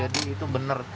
jadi itu benar